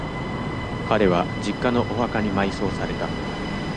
彼は、実家のお墓に埋葬された。